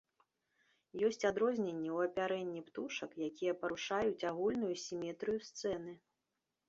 Ёсць адрозненні ў апярэнні птушак, якія парушаюць агульную сіметрыю сцэны.